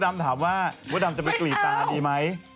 ไม่คุณผู้ดำจะไปกรีดตาดีไหม